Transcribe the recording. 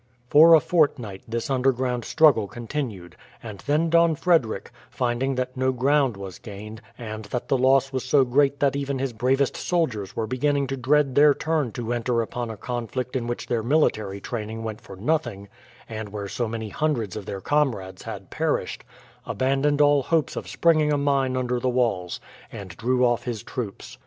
For a fortnight this underground struggle continued, and then Don Frederick finding that no ground was gained, and that the loss was so great that even his bravest soldiers were beginning to dread their turn to enter upon a conflict in which their military training went for nothing, and where so many hundreds of their comrades had perished abandoned all hopes of springing a mine under the walls, and drew off his troops.